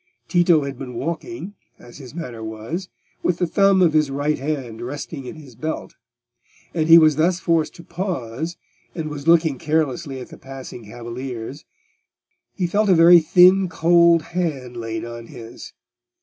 Tito had been walking, as his manner was, with the thumb of his right hand resting in his belt; and as he was thus forced to pause, and was looking carelessly at the passing cavaliers, he felt a very thin cold hand laid on his.